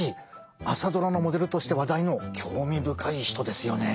「朝ドラ」のモデルとして話題の興味深い人ですよね！